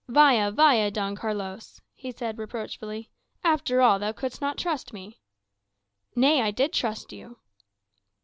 "Vaya, vaya, Don Carlos," he said reproachfully; "after all, thou couldst not trust me." "Nay, I did trust you."